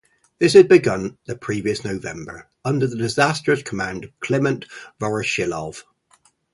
This had begun the previous November, under the disastrous command of Kliment Voroshilov.